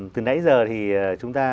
từ nãy giờ thì chúng ta